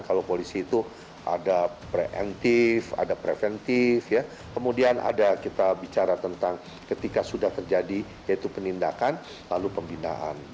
kalau polisi itu ada preemptif ada preventif kemudian ada kita bicara tentang ketika sudah terjadi yaitu penindakan lalu pembinaan